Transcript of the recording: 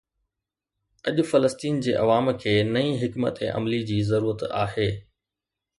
اڄ فلسطين جي عوام کي نئين حڪمت عملي جي ضرورت آهي.